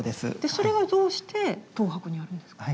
それがどうして東博にあるんですか？